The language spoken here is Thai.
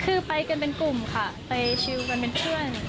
คือไปกันเป็นกลุ่มค่ะไปชิลกันเป็นเพื่อน